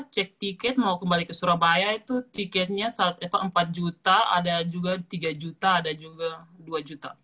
cek tiket mau kembali ke surabaya itu tiketnya empat juta ada juga tiga juta ada juga dua juta